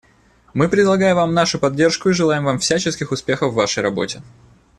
Мы предлагаем Вам нашу поддержку и желаем Вам всяческих успехов в Вашей работе.